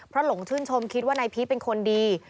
พอหลงทึนชมคิดว่านายพี่เป็นคนดี